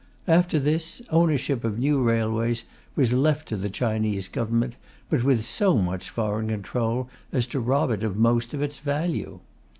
After this, ownership of new railways was left to the Chinese Government, but with so much foreign control as to rob it of most of its value.